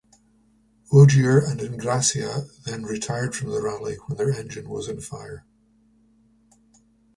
Ogier and Ingrassia then retired from the rally when their engine was on fire.